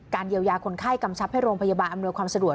เยียวยาคนไข้กำชับให้โรงพยาบาลอำนวยความสะดวก